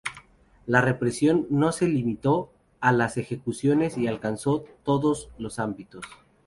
La represión no se limitó a las ejecuciones y alcanzó todos los ámbitos.